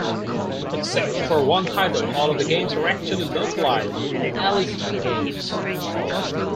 Except for one title, all of the games are actually localized "Aleste" games.